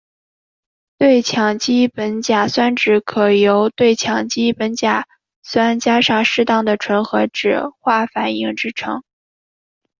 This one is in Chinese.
对羟基苯甲酸酯可由对羟基苯甲酸加上适当的醇的酯化反应制成。